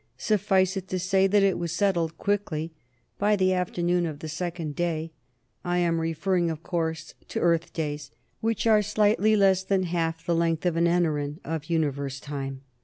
Suffice it to say that it was settled quickly, by the afternoon of the second day: I am referring, of course, to Earth days, which are slightly less than half the length of an enaren of Universe time.